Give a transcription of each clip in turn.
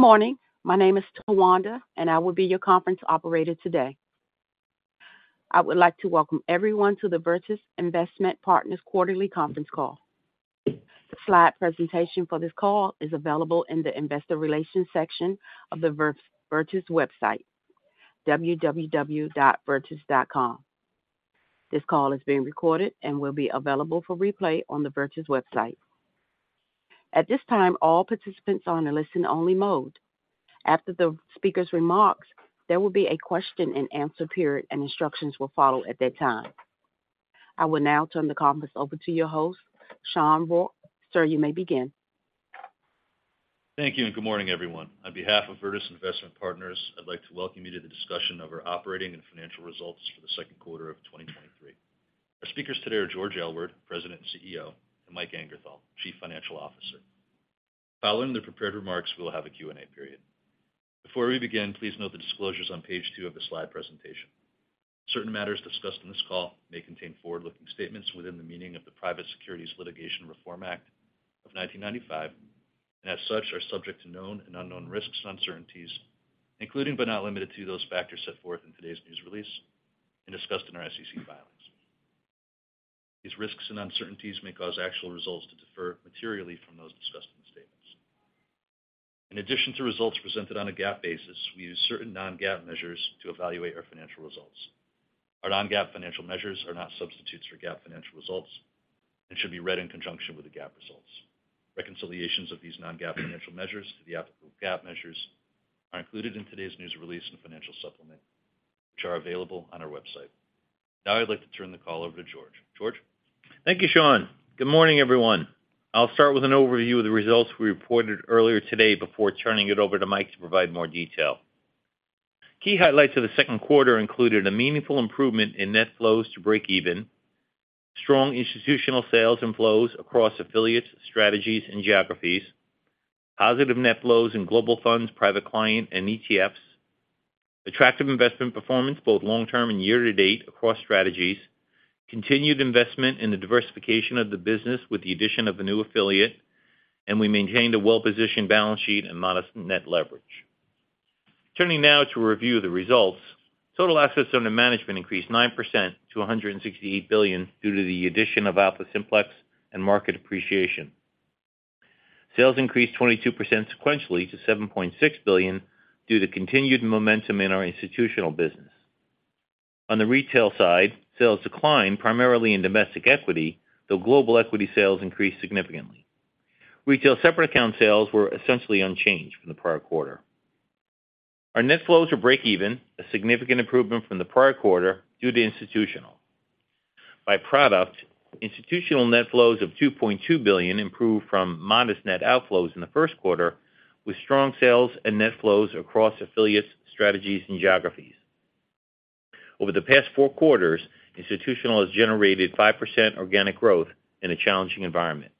Good morning. My name is Tawanda, and I will be your conference operator today. I would like to welcome everyone to the Virtus Investment Partners Quarterly Conference Call. The slide presentation for this call is available in the Investor Relations section of the Virtus website, www.virtus.com. This call is being recorded and will be available for replay on the Virtus website. At this time, all participants are in a listen-only mode. After the speaker's remarks, there will be a question-and-answer period, and instructions will follow at that time. I will now turn the conference over to your host, Sean Rourke. Sir, you may begin. Thank you. Good morning, everyone. On behalf of Virtus Investment Partners, I'd like to welcome you to the discussion of our operating and financial results for the second quarter of 2023. Our speakers today are George Aylward, President and CEO, and Mike Angerthal, Chief Financial Officer. Following their prepared remarks, we'll have a Q&A period. Before we begin, please note the disclosures on page two of the slide presentation. Certain matters discussed in this call may contain forward-looking statements within the meaning of the Private Securities Litigation Reform Act of 1995, and as such, are subject to known and unknown risks and uncertainties, including, but not limited to, those factors set forth in today's news release and discussed in our SEC filings. These risks and uncertainties may cause actual results to differ materially from those discussed in the statements. In addition to results presented on a GAAP basis, we use certain non-GAAP measures to evaluate our financial results. Our non-GAAP financial measures are not substitutes for GAAP financial results and should be read in conjunction with the GAAP results. Reconciliations of these non-GAAP financial measures to the applicable GAAP measures are included in today's news release and financial supplement, which are available on our website. Now I'd like to turn the call over to George. George? Thank you, Sean. Good morning, everyone. I'll start with an overview of the results we reported earlier today before turning it over to Mike to provide more detail. Key highlights of the second quarter included a meaningful improvement in net flows to break even, strong institutional sales and flows across affiliates, strategies, and geographies, positive net flows in global funds, private client, and ETFs, attractive investment performance, both long term and year to date across strategies, continued investment in the diversification of the business with the addition of a new affiliate. We maintained a well-positioned balance sheet and modest net leverage. Turning now to a review of the results. Total assets under management increased 9% to $168 billion due to the addition of AlphaSimplex and market appreciation. Sales increased 22% sequentially to $7.6 billion due to continued momentum in our institutional business. On the retail side, sales declined primarily in domestic equity, though global equity sales increased significantly. Retail separate account sales were essentially unchanged from the prior quarter. Our net flows were break-even, a significant improvement from the prior quarter due to institutional. By product, institutional net flows of $2.2 billion improved from modest net outflows in the first quarter, with strong sales and net flows across affiliates, strategies, and geographies. Over the past four quarters, institutional has generated 5% organic growth in a challenging environment.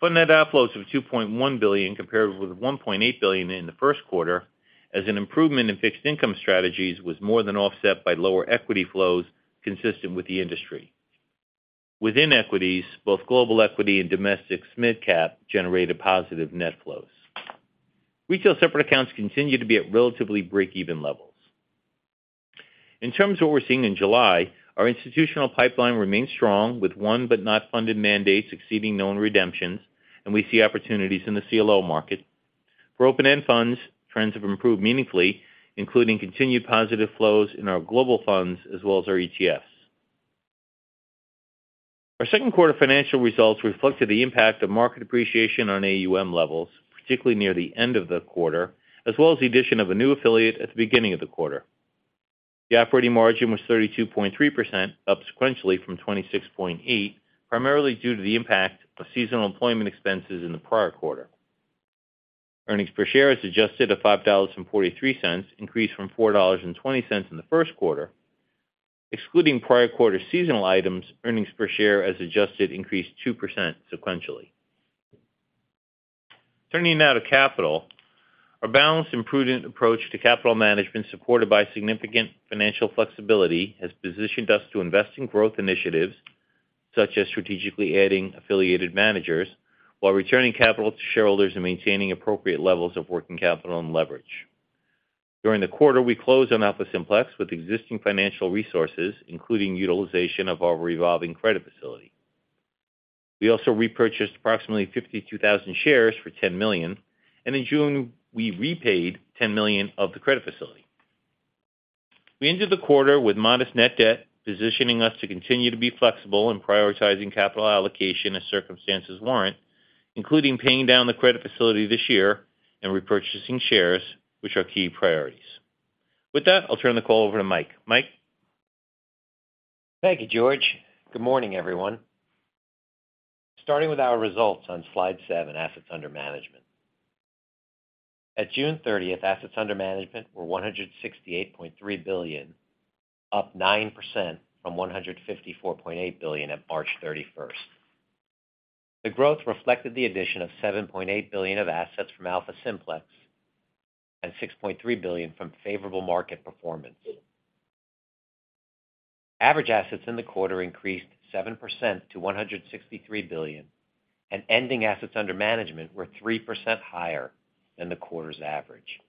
Fund net outflows of $2.1 billion, compared with $1.8 billion in the first quarter, as an improvement in fixed income strategies was more than offset by lower equity flows consistent with the industry. Within equities, both global equity and domestic mid-cap generated positive net flows. Retail separate accounts continue to be at relatively break-even levels. In terms of what we're seeing in July, our institutional pipeline remains strong, with one, but not funded mandates exceeding known redemptions. We see opportunities in the CLO market. For open-end funds, trends have improved meaningfully, including continued positive flows in our global funds as well as our ETFs. Our second quarter financial results reflected the impact of market appreciation on AUM levels, particularly near the end of the quarter, as well as the addition of a new affiliate at the beginning of the quarter. The operating margin was 32.3%, up sequentially from 26.8, primarily due to the impact of seasonal employment expenses in the prior quarter. Earnings per share as adjusted to $5.43, increased from $4.20 in the first quarter. Excluding prior quarter seasonal items, earnings per share as adjusted increased 2% sequentially. Turning now to capital. Our balanced and prudent approach to capital management, supported by significant financial flexibility, has positioned us to invest in growth initiatives such as strategically adding affiliated managers, while returning capital to shareholders and maintaining appropriate levels of working capital and leverage. During the quarter, we closed on AlphaSimplex with existing financial resources, including utilization of our revolving credit facility. We also repurchased approximately 52,000 shares for $10 million, and in June, we repaid $10 million of the credit facility. We ended the quarter with modest net debt, positioning us to continue to be flexible in prioritizing capital allocation as circumstances warrant, including paying down the credit facility this year and repurchasing shares, which are key priorities. With that, I'll turn the call over to Mike. Mike? Thank you, George. Good morning, everyone. Starting with our results on slide seven, Assets Under Management. At June 30th, assets under management were $168.3 billion, up 9% from $154.8 billion on March 31st. The growth reflected the addition of $7.8 billion of assets from AlphaSimplex and $6.3 billion from favorable market performance. Average assets in the quarter increased 7% to $163 billion, and ending assets under management were 3% higher than the quarter's average.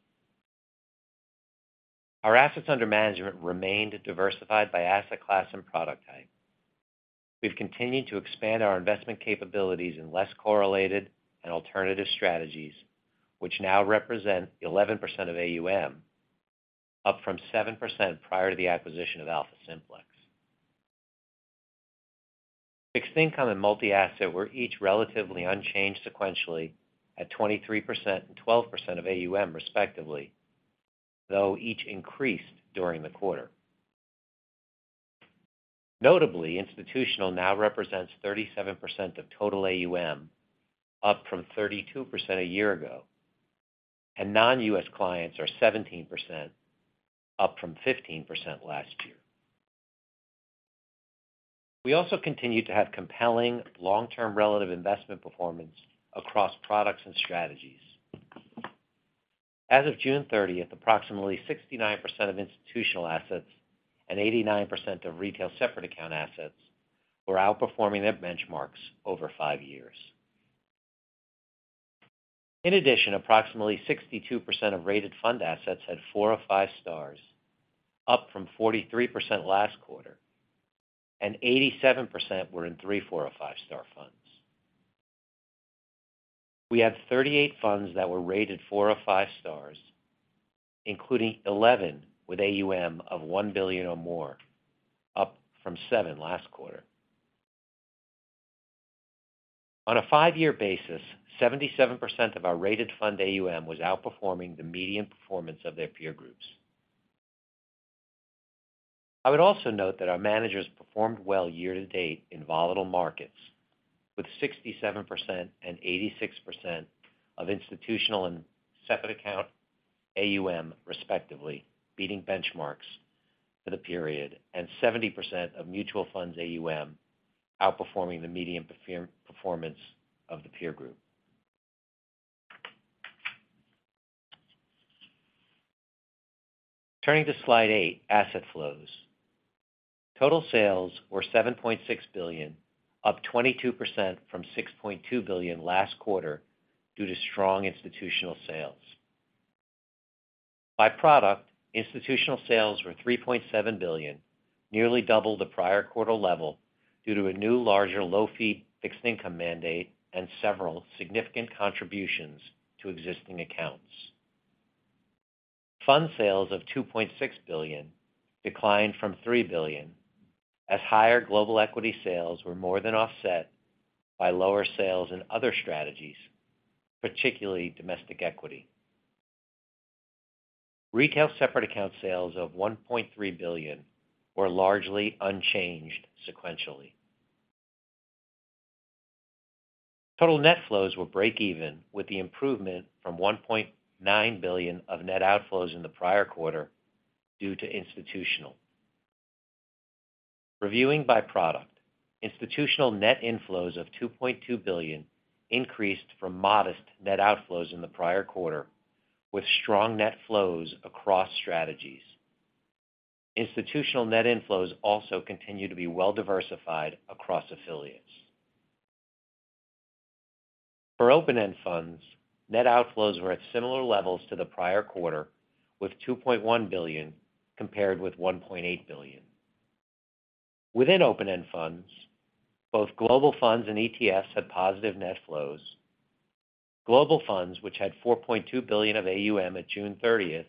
Our assets under management remained diversified by asset class and product type. We've continued to expand our investment capabilities in less correlated and alternative strategies, which now represent 11% of AUM, up from 7% prior to the acquisition of AlphaSimplex. Fixed income and multi-asset were each relatively unchanged sequentially at 23% and 12% of AUM, respectively, though each increased during the quarter. Notably, institutional now represents 37% of total AUM, up from 32% a year ago, and non-US clients are 17%, up from 15% last year. We also continued to have compelling long-term relative investment performance across products and strategies. As of June 30th, approximately 69% of institutional assets and 89% of retail separate account assets were outperforming their benchmarks over 5 years. In addition, approximately 62% of rated fund assets had four or five stars, up from 43% last quarter, and 87% were in three, four, or five star funds. We had 38 funds that were rated four or five stars, including 11 with AUM of 1 billion or more, up from seven last quarter. On a five year basis, 77% of our rated fund AUM was outperforming the median performance of their peer groups. I would also note that our managers performed well year-to-date in volatile markets, with 67% and 86% of institutional and separate account AUM, respectively, beating benchmarks for the period, and 70% of mutual funds AUM outperforming the median performance of the peer group. Turning to slide eight, Asset Flows. Total sales were $7.6 billion, up 22% from $6.2 billion last quarter due to strong institutional sales. By product, institutional sales were $3.7 billion, nearly double the prior quarter level, due to a new, larger, low-fee fixed income mandate and several significant contributions to existing accounts. Fund sales of $2.6 billion declined from $3 billion, as higher global equity sales were more than offset by lower sales in other strategies, particularly domestic equity. Retail separate account sales of $1.3 billion were largely unchanged sequentially. Total net flows were breakeven, with the improvement from $1.9 billion of net outflows in the prior quarter due to institutional. Reviewing by product, institutional net inflows of $2.2 billion increased from modest net outflows in the prior quarter, with strong net flows across strategies. Institutional net inflows also continue to be well-diversified across affiliates. For open-end funds, net outflows were at similar levels to the prior quarter, with $2.1 billion, compared with $1.8 billion. Within open-end funds, both global funds and ETFs had positive net flows. Global funds, which had $4.2 billion of AUM at June 30th,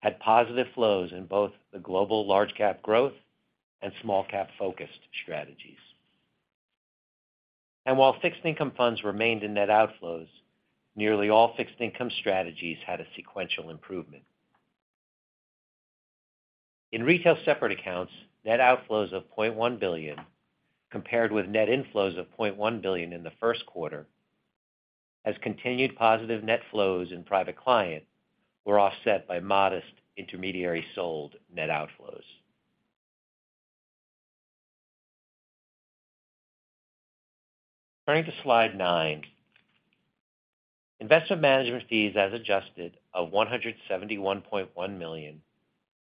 had positive flows in both the global large cap growth and small cap-focused strategies. While fixed income funds remained in net outflows, nearly all fixed income strategies had a sequential improvement. In retail separate accounts, net outflows of $0.1 billion, compared with net inflows of $0.1 billion in the first quarter, as continued positive net flows in private client were offset by modest intermediary sold net outflows. Turning to slide nine, investment management fees as adjusted of $171.1 million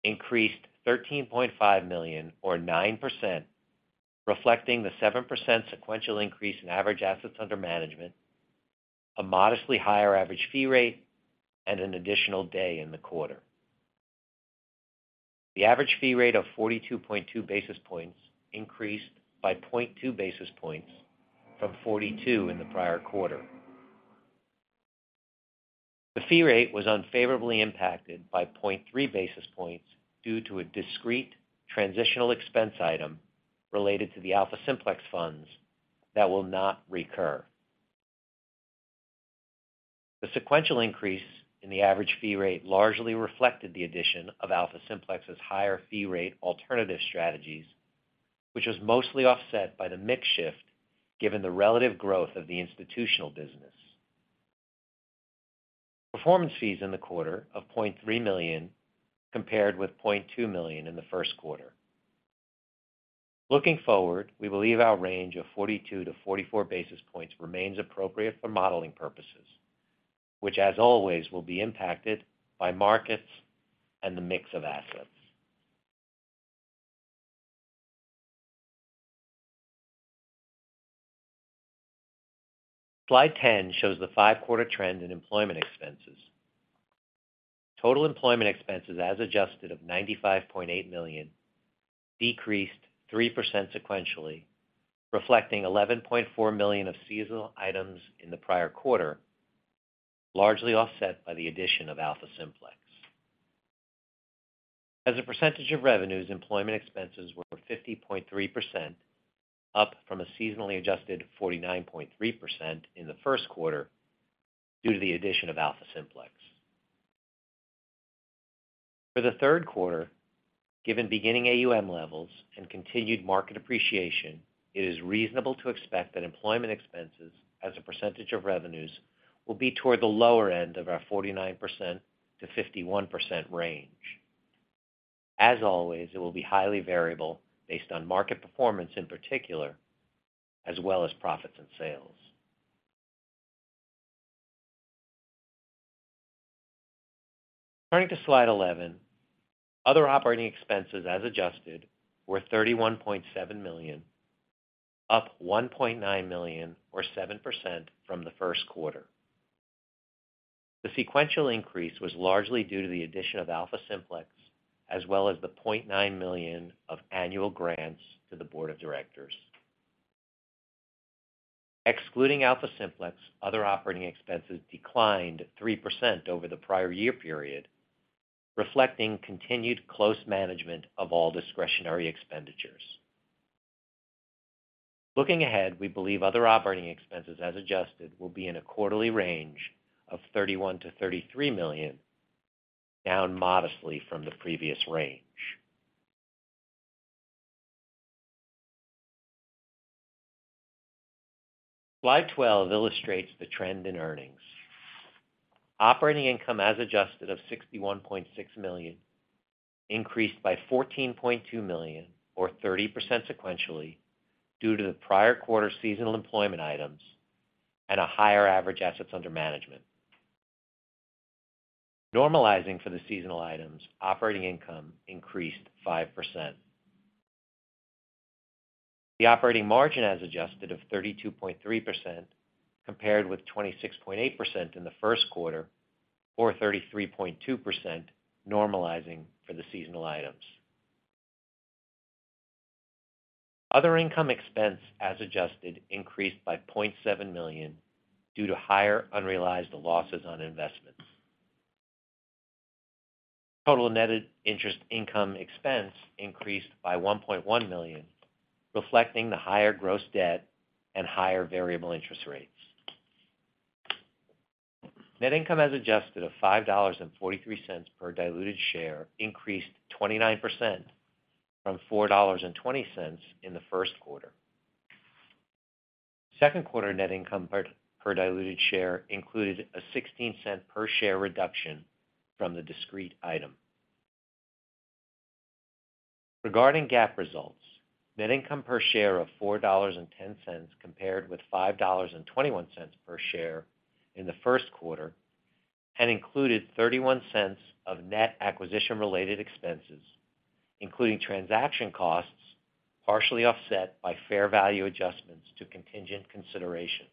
increased $13.5 million, or 9%, reflecting the 7% sequential increase in average assets under management, a modestly higher average fee rate, and an additional day in the quarter. The average fee rate of 42.2 basis points increased by 0.2 basis points from 42 in the prior quarter. The fee rate was unfavorably impacted by 0.3 basis points due to a discrete transitional expense item related to the AlphaSimplex funds that will not recur. The sequential increase in the average fee rate largely reflected the addition of AlphaSimplex's higher fee rate alternative strategies, which was mostly offset by the mix shift, given the relative growth of the institutional business. Performance fees in the quarter of $0.3 million compared with $0.2 million in the first quarter. Looking forward, we believe our range of 42 to 44 basis points remains appropriate for modeling purposes, which as always, will be impacted by markets and the mix of assets. Slide 10 shows the five-quarter trend in employment expenses. Total employment expenses, as adjusted of $95.8 million, decreased 3% sequentially, reflecting $11.4 million of seasonal items in the prior quarter, largely offset by the addition of AlphaSimplex. As a percentage of revenues, employment expenses were 50.3%, up from a seasonally adjusted 49.3% in the first quarter due to the addition of AlphaSimplex. For the third quarter, given beginning AUM levels and continued market appreciation, it is reasonable to expect that employment expenses as a percentage of revenues, will be toward the lower end of our 49% to 51% range. As always, it will be highly variable based on market performance, in particular, as well as profits and sales. Turning to slide 11, other operating expenses as adjusted, were $31.7 million, up $1.9 million, or 7% from the first quarter. The sequential increase was largely due to the addition of AlphaSimplex, as well as the $0.9 million of annual grants to the board of directors. Excluding AlphaSimplex, other operating expenses declined 3% over the prior year period, reflecting continued close management of all discretionary expenditures. Looking ahead, we believe other operating expenses as adjusted, will be in a quarterly range of $31 million to $33 million, down modestly from the previous range. Slide 12 illustrates the trend in earnings. Operating income, as adjusted of $61.6 million, increased by $14.2 million, or 30% sequentially, due to the prior quarter seasonal employment items and a higher average assets under management. Normalizing for the seasonal items, operating income increased 5%. The operating margin as adjusted of 32.3%, compared with 26.8% in the first quarter, or 33.2%, normalizing for the seasonal items. Other income expense as adjusted increased by $0.7 million due to higher unrealized losses on investments. Total netted interest income expense increased by $1.1 million, reflecting the higher gross debt and higher variable interest rates. Net income, as adjusted of $5.43 per diluted share, increased 29% from $4.20 in the first quarter. Second quarter net income per diluted share included a $0.16 per share reduction from the discrete item. Regarding GAAP results, net income per share of $4.10 compared with $5.21 per share in the first quarter, and included $0.31 of net acquisition-related expenses, including transaction costs, partially offset by fair value adjustments to contingent consideration.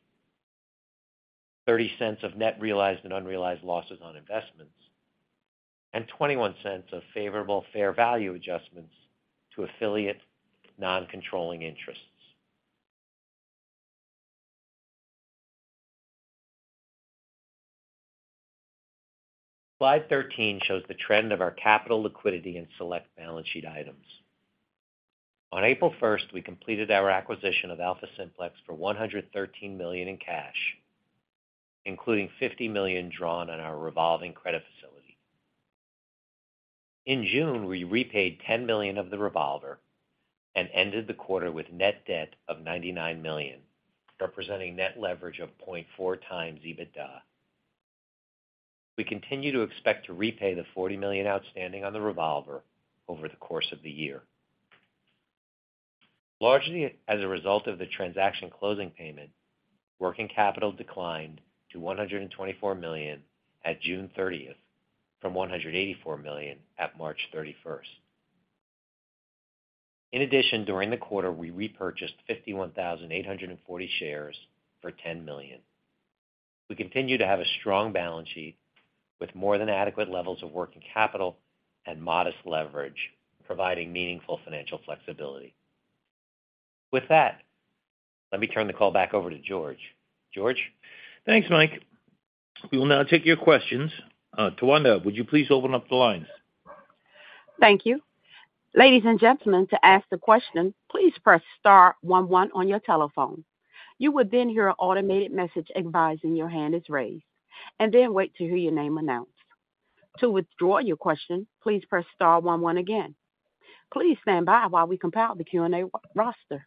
$0.30 of net realized and unrealized losses on investments, and $0.21 of favorable fair value adjustments to affiliate non-controlling interests. Slide 13 shows the trend of our capital liquidity and select balance sheet items. On April 1st, we completed our acquisition of AlphaSimplex for $113 million in cash, including $50 million drawn on our revolving credit facility. In June, we repaid $10 million of the revolver and ended the quarter with net debt of $99 million, representing net leverage of 0.4x EBITDA. We continue to expect to repay the $40 million outstanding on the revolver over the course of the year. Largely as a result of the transaction closing payment, working capital declined to $124 million at June 30th, from $184 million at March 31st. In addition, during the quarter, we repurchased 51,840 shares for $10 million. We continue to have a strong balance sheet with more than adequate levels of working capital and modest leverage, providing meaningful financial flexibility. With that, let me turn the call back over to George. George? Thanks, Mike. We will now take your questions. Tawanda, would you please open up the lines? Thank you. Ladies and gentlemen, to ask a question, please press star one one on your telephone. You will then hear an automated message advising your hand is raised, and then wait to hear your name announced. To withdraw your question, please press star one one again. Please stand by while we compile the Q&A roster.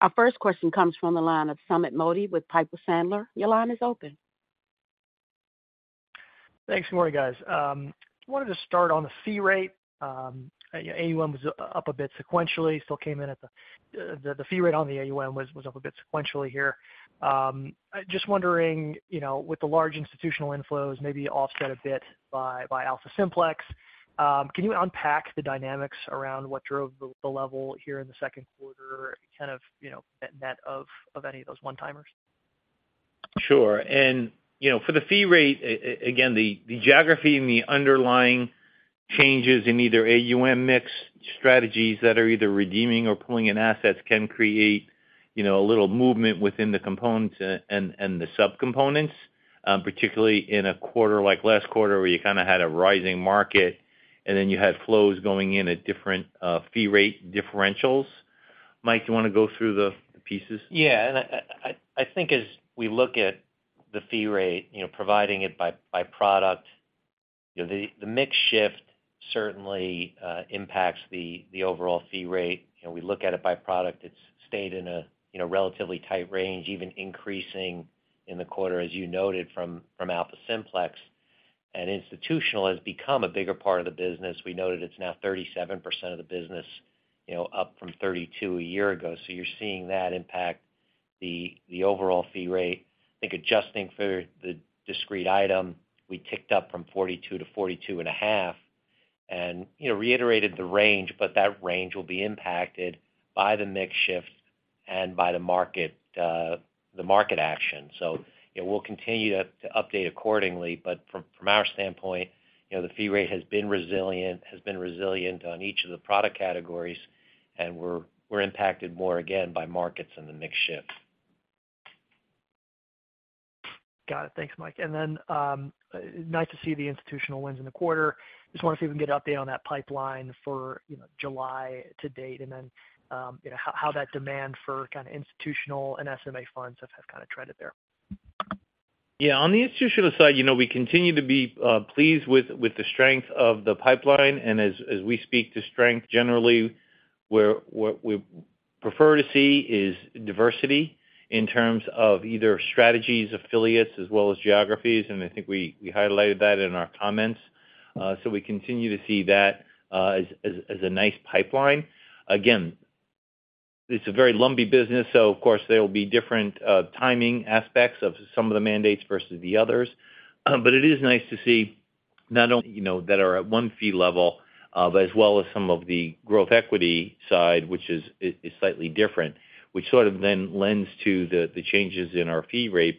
Our first question comes from the line of Sumeet Mody with Piper Sandler. Your line is open. Thanks. Good morning, guys. Wanted to start on the fee rate. AUM was up a bit sequentially, still came in at the fee rate on the AUM was, was up a bit sequentially here. Just wondering, you know, with the large institutional inflows, maybe offset a bit by AlphaSimplex, can you unpack the dynamics around what drove the, the level here in the second quarter, kind of, you know, net-net of, of any of those one-timers? Sure. You know, for the fee rate, again, the, the geography and the underlying changes in either AUM mix strategies that are either redeeming or pulling in assets can create, you know, a little movement within the components and, and the subcomponents, particularly in a quarter like last quarter, where you kind of had a rising market, and then you had flows going in at different, fee rate differentials. Mike, do you want to go through the pieces? Yeah, I think as we look at the fee rate, you know, providing it by product, you know, the mix shift certainly impacts the overall fee rate. You know, we look at it by product. It's stayed in a, you know, relatively tight range, even increasing in the quarter, as you noted, from AlphaSimplex. Institutional has become a bigger part of the business. We noted it's now 37% of the business, you know, up from 32 a year ago. You're seeing that impact the overall fee rate. I think adjusting for the discrete item, we ticked up from 42 to 42.5, and, you know, reiterated the range, but that range will be impacted by the mix shift and by the market action. Yeah, we'll continue to, to update accordingly, but from, from our standpoint, you know, the fee rate has been resilient, has been resilient on each of the product categories, and we're, we're impacted more again, by markets and the mix shift. Got it. Thanks, Mike. Nice to see the institutional wins in the quarter. Just want to see if we can get an update on that pipeline for, you know, July to date, and then, you know, how, how that demand for kind of institutional and SMA funds have, have kind of trended there. Yeah. On the institutional side, you know, we continue to be pleased with the strength of the pipeline. As, as we speak to strength, generally, what we prefer to see is diversity in terms of either strategies, affiliates, as well as geographies, and I think we highlighted that in our comments. We continue to see that as a nice pipeline. Again, it's a very lumpy business, of course, there will be different timing aspects of some of the mandates versus the others. It is nice to see not only, you know, that are at one fee level, but as well as some of the growth equity side, which is, is, is slightly different, which sort of then lends to the, the changes in our fee rate.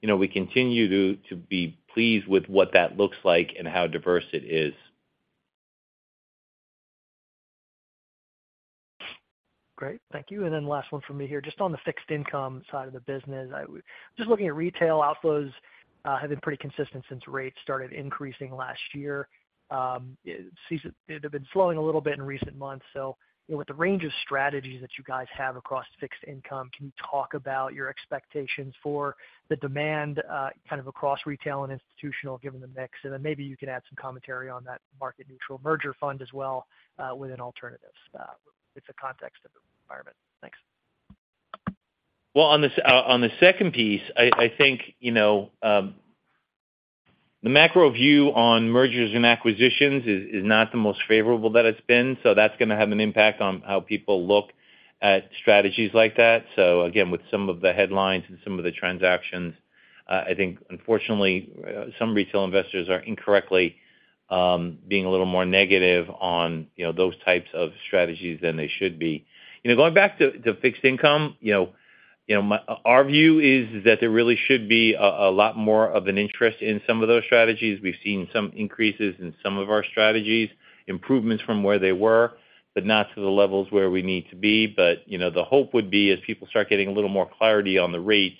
You know, we continue to, to be pleased with what that looks like and how diverse it is. Great. Thank you. Then last one for me here. Just on the fixed income side of the business, just looking at retail outflows have been pretty consistent since rates started increasing last year. It seems they've been slowing a little bit in recent months. You know, with the range of strategies that you guys have across fixed income, can you talk about your expectations for the demand, kind of across retail and institutional, given the mix? Then maybe you can add some commentary on that market neutral merger fund as well, within alternatives, with the context of the environment. Thanks. On the second piece, I think, you know, the macro view on mergers and acquisitions is, is not the most favorable that it's been. That's gonna have an impact on how people look at strategies like that. Again, with some of the headlines and some of the transactions, I think unfortunately, some retail investors are incorrectly, being a little more negative on, you know, those types of strategies than they should be. You know, going back to, to fixed income, our view is that there really should be a, a lot more of an interest in some of those strategies. We've seen some increases in some of our strategies, improvements from where they were, but not to the levels where we need to be. You know, the hope would be, as people start getting a little more clarity on the rates,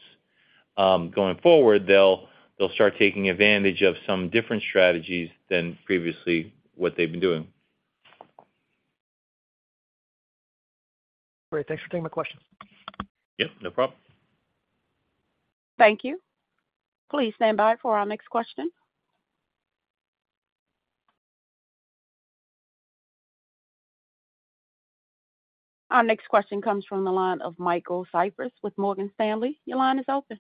going forward, they'll, they'll start taking advantage of some different strategies than previously what they've been doing. Great. Thanks for taking my questions. Yep, no problem. Thank you. Please stand by for our next question. Our next question comes from the line of Michael Cyprys with Morgan Stanley. Your line is open.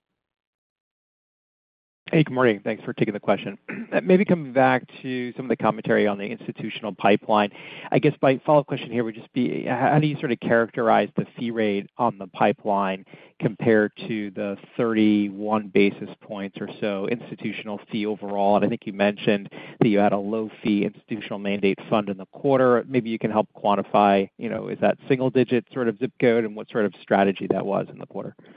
Hey, good morning. Thanks for taking the question. Maybe coming back to some of the commentary on the institutional pipeline, I guess my follow-up question here would just be, how do you sort of characterize the fee rate on the pipeline compared to the 31 basis points or so institutional fee overall? I think you mentioned that you had a low fee institutional mandate fund in the quarter. Maybe you can help quantify, you know, is that single-digit sort of zip code, and what sort of strategy that was in the quarter? Yeah,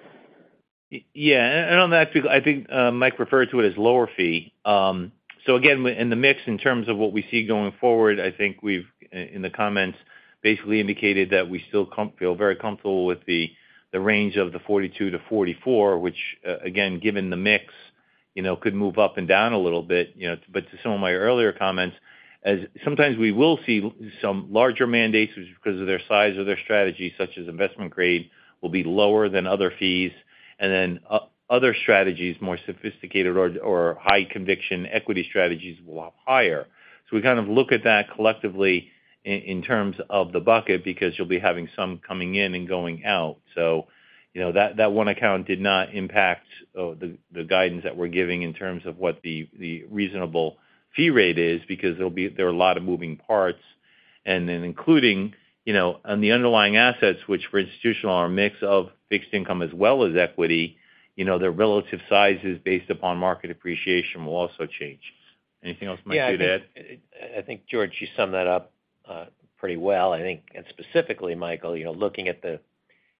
On that, I think Mike referred to it as lower fee. Again, in the mix, in terms of what we see going forward, I think we've, in the comments, basically indicated that we still feel very comfortable with the, the range of the 42 to 44, which, again, given the mix, you know, could move up and down a little bit, you know. To some of my earlier comments, as sometimes we will see some larger mandates, which because of their size or their strategy, such as investment grade, will be lower than other fees. Then other strategies, more sophisticated or, or high conviction equity strategies, will op higher. We kind of look at that collectively. In terms of the bucket, because you'll be having some coming in and going out. You know, that, that one account did not impact the, the guidance that we're giving in terms of what the, the reasonable fee rate is, because there are a lot of moving parts. Including, you know, on the underlying assets, which for institutional, are a mix of fixed income as well as equity, you know, their relative sizes based upon market appreciation will also change. Anything else you might you add? Yeah, I think, George, you summed that up, pretty well. I think, specifically, Michael, you know, looking at the,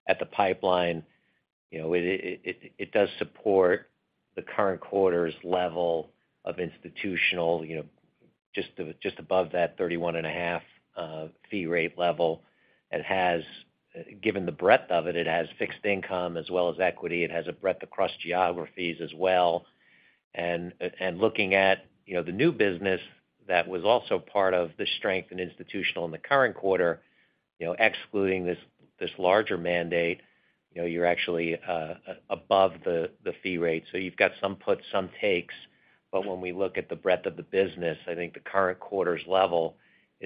at the pipeline, you know, it, it, it does support the current quarter's level of institutional, you know, just, just above that 31.5, fee rate level. It has. Given the breadth of it, it has fixed income as well as equity. It has a breadth across geographies as well. Looking at, you know, the new business that was also part of the strength in institutional in the current quarter, you know, excluding this, this larger mandate, you know, you're actually, above the, the fee rate. You've got some puts, some takes, but when we look at the breadth of the business, I think the current quarter's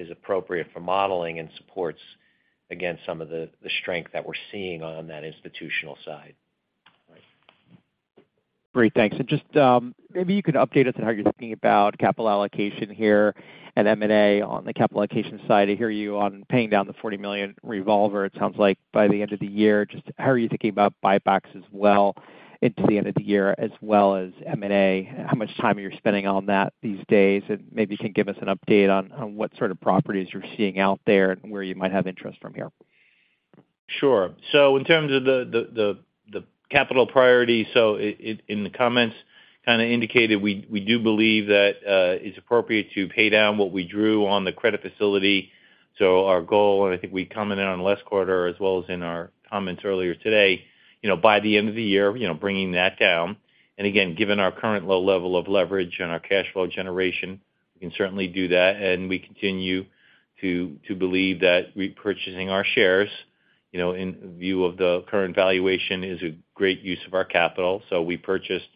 level is appropriate for modeling and supports, again, some of the strength that we're seeing on that institutional side. Great, thanks. Just maybe you could update us on how you're thinking about capital allocation here and M&A on the capital allocation side. I hear you on paying down the $40 million revolver, it sounds like by the end of the year. Just how are you thinking about buybacks as well into the end of the year, as well as M&A? How much time are you spending on that these days? Maybe you can give us an update on, on what sort of properties you're seeing out there and where you might have interest from here. Sure. So in terms of the capital priority, in the comments, kind of indicated we do believe that it's appropriate to pay down what we drew on the credit facility. Our goal, and I think we commented on last quarter, as well as in our comments earlier today, you know, by the end of the year, you know, bringing that down. Again, given our current low level of leverage and our cash flow generation, we can certainly do that. We continue to believe that repurchasing our shares, you know, in view of the current valuation, is a great use of our capital. We purchased,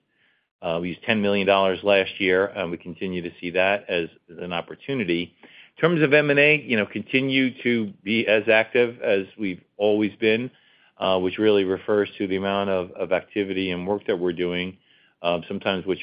we used $10 million last year, and we continue to see that as an opportunity. In terms of M&A, you know, continue to be as active as we've always been, which really refers to the amount of, of activity and work that we're doing, sometimes which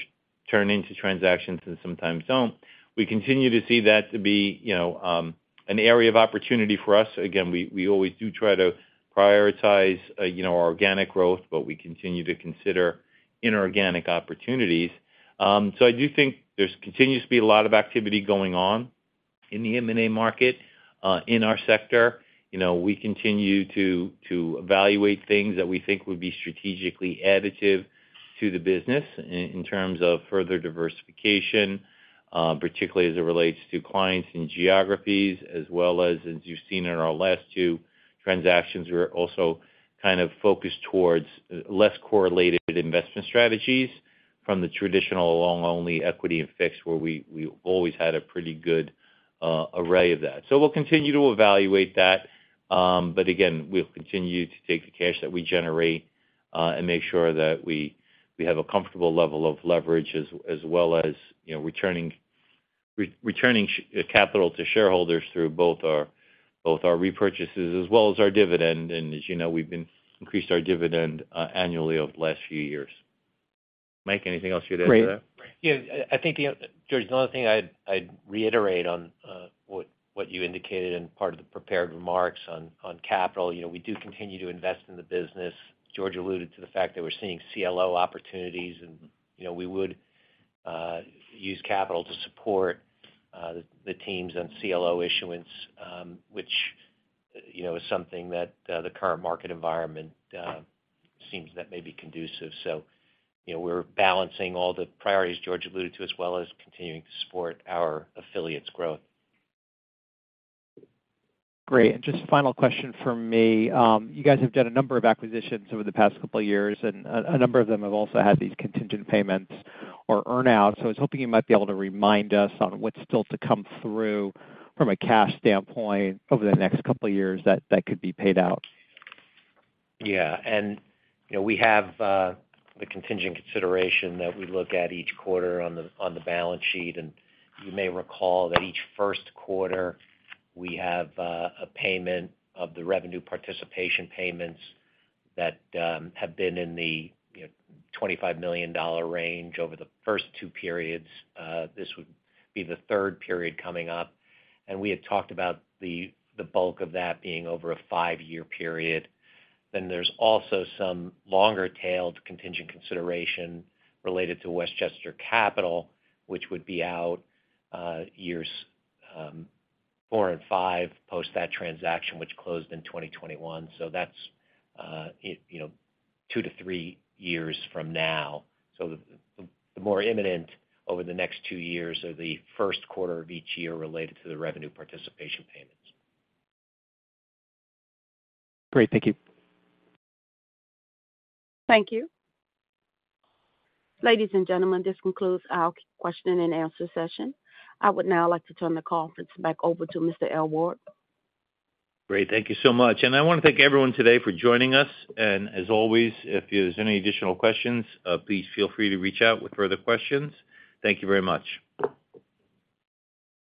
turn into transactions and sometimes don't. We continue to see that to be, you know, an area of opportunity for us. Again, we, we always do try to prioritize, you know, our organic growth, but we continue to consider inorganic opportunities. I do think there continues to be a lot of activity going on in the M&A market, in our sector. You know, we continue to, to evaluate things that we think would be strategically additive to the business in, in terms of further diversification, particularly as it relates to clients and geographies, as well as, as you've seen in our last two transactions, we're also kind of focused towards less correlated investment strategies from the traditional long-only equity and fixed, where we, we always had a pretty good array of that. We'll continue to evaluate that. Again, we'll continue to take the cash that we generate, and make sure that we, we have a comfortable level of leverage as, as well as, you know, returning, returning capital to shareholders through both our, both our repurchases as well as our dividend. As you know, we've been increased our dividend, annually over the last few years. Mike, anything else you'd add to that? Great. Yeah, I, I think, George, the only thing I'd, I'd reiterate on, what, what you indicated in part of the prepared remarks on, on capital, you know, we do continue to invest in the business. George alluded to the fact that we're seeing CLO opportunities and, you know, we would, use capital to support, the teams on CLO issuance, which, you know, is something that, the current market environment, seems that may be conducive. You know, we're balancing all the priorities George alluded to, as well as continuing to support our affiliates' growth. Great. Just a final question from me. You guys have done a number of acquisitions over the past couple of years, and a number of them have also had these contingent payments or earn out. I was hoping you might be able to remind us on what's still to come through from a cash standpoint over the next couple of years that could be paid out. Yeah. You know, we have the contingent consideration that we look at each quarter on the balance sheet. You may recall that each first quarter, we have a payment of the revenue participation payments that have been in the, you know, $25 million range over the first two periods. This would be the third period coming up, and we had talked about the bulk of that being over a five year period. There's also some longer-tailed contingent consideration related to Westchester Capital, which would be out years four and five post that transaction, which closed in 2021. That's it, you know, two to three years from now. The more imminent over the next two years are the first quarter of each year related to the revenue participation payments. Great. Thank you. Thank you. Ladies and gentlemen, this concludes our question and answer session. I would now like to turn the conference back over to Mr. Aylward. Great. Thank you so much. I want to thank everyone today for joining us. As always, if there's any additional questions, please feel free to reach out with further questions. Thank you very much.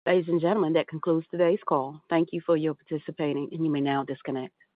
Ladies and gentlemen, that concludes today's call. Thank you for your participating, and you may now disconnect.